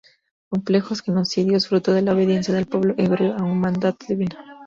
Completos genocidios, fruto de la obediencia del pueblo hebreo a un mandato divino.